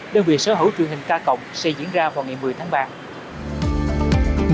đơn vị sở hữu truyền hình k cộng sẽ diễn ra vào ngày một mươi tháng ba